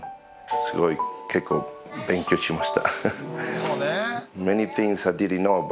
すごい結構勉強しました。